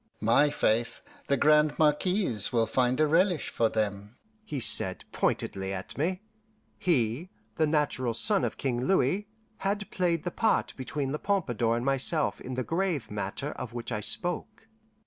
"My faith, the Grande Marquise will find a relish for them," he said pointedly at me. He, the natural son of King Louis, had played the part between La Pompadour and myself in the grave matter of which I spoke.